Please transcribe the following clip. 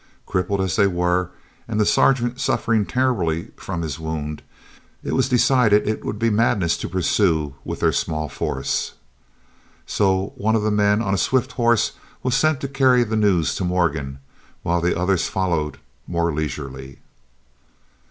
Crippled as they were, and the Sergeant suffering terribly from his wound, it was decided it would be madness to pursue with their small force. So one of the men on a swift horse was sent to carry the news to Morgan, while the others followed more leisurely.